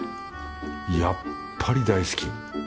やっぱり大好き！